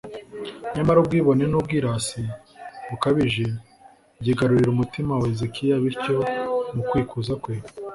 nyamara ubwibone n'ubwrasi bukabije byigaruriye umutima wa hezekiya, bityo mu kwikuza kwe